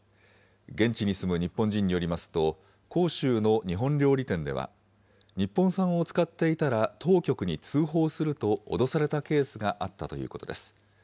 現地に住む日本人によりますと、広州の日本料理店では、日本産を使っていたら当局に通報すると、脅されたケースがあったということです。